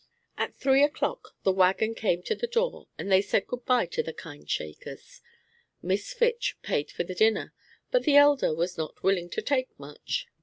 At three o'clock the wagon came to the door, and they said good by to the kind Shakers. Miss Fitch paid for the dinner; but the elder was not willing to take much.